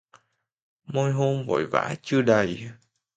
Môi hôn vội vã chưa đầy